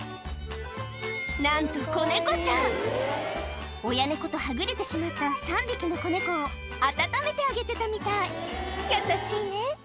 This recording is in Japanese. なんと子猫ちゃん親猫とはぐれてしまった３匹の子猫を温めてあげてたみたい優しいね